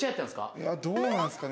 いやどうなんすかね